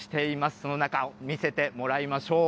その中を見せてもらいましょう。